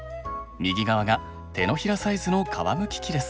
右側が手のひらサイズの皮むき器です。